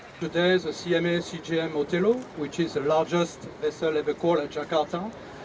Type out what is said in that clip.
hari ini cml cgm otelo adalah kapal yang lebih besar di jakarta